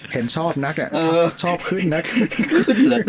เห็นชอบนักชอบขึ้นนะ